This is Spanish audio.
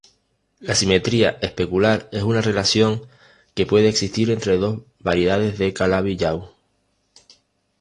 La simetría especular es una relación que puede existir entre dos variedades de Calabi-Yau.